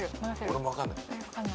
俺も分かんない。